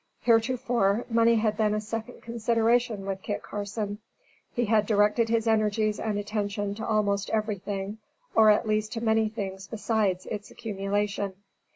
Heretofore, money had been a second consideration with Kit Carson. He had directed his energies and attention to almost everything, or at least to many things besides its accumulation.